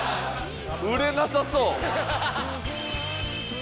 売れなさそう。